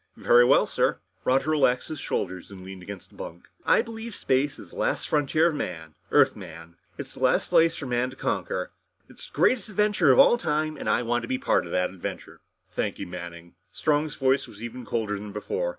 "Very well, sir." Roger relaxed his shoulders and leaned against the bunk. "I believe space is the last frontier of man Earthman. It's the last place for man to conquer. It is the greatest adventure of all time and I want to be a part of that adventure." "Thank you, Manning." Strong's voice was even colder than before.